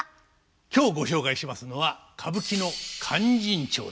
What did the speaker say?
今日ご紹介しますのは歌舞伎の「勧進帳」です。